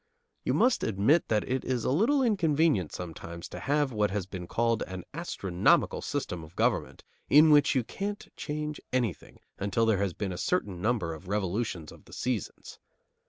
You must admit that it is a little inconvenient sometimes to have what has been called an astronomical system of government, in which you can't change anything until there has been a certain number of revolutions of the seasons.